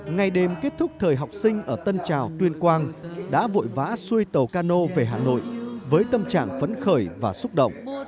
ngày đêm kết thúc thời học sinh ở tân trào tuyên quang đã vội vã xuôi tàu cano về hà nội với tâm trạng phấn khởi và xúc động